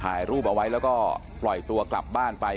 ถ่ายรูปเอาไว้แล้วก็ปล่อยตัวกลับบ้านไป